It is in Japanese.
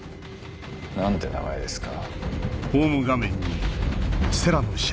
何て名前ですか？